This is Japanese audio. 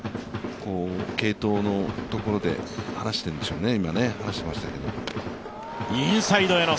継投のところで話していたんでしょうね、今。